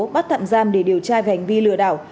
bắt thạm giam để điều tra gành vi lừa đảo